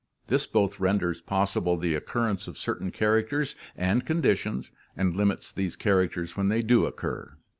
This both renders possible the occurrence of certain characters and condi tions and limits these characters when they do occur.